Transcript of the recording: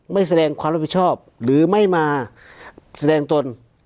แสดงความรับผิดชอบหรือไม่มาแสดงตน